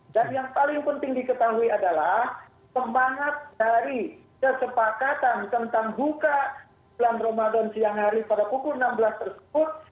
dan yang paling penting diketahui adalah semangat dari kesepakatan tentang buka bulan ramadan siang hari pada pukul enam belas tersebut